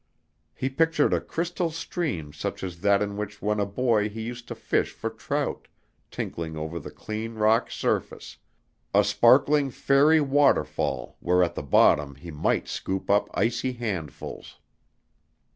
He pictured a crystal stream such as that in which when a boy he used to fish for trout, tinkling over the clean rock surface, a sparkling, fairy waterfall where at the bottom he might scoop up icy handfuls.